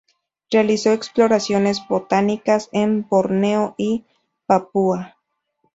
Realizó exploraciones botánicas a Borneo y a Papua.